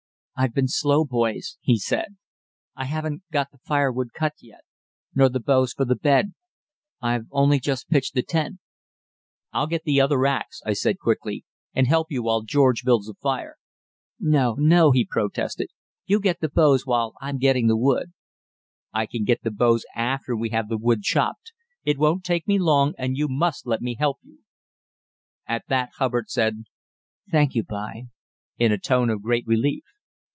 "I've been slow, boys," he said. "I haven't got the firewood cut yet, nor the boughs for the bed. I've only just pitched the tent." "I'll get the other axe," I said quickly, "and help you while George builds the fire." "No, no," he protested; "you get the boughs while I'm getting the wood." "I can get the boughs after we have the wood chopped; it won't take me long and you must let me help you." At that Hubbard said, "Thank you, b'y," in a tone of great relief.